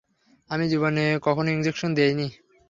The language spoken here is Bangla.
আমি জীবনে কখনও ইনজেকশন দিইনি।